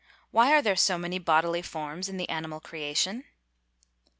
_Why are there so many bodily forms in the animal creation?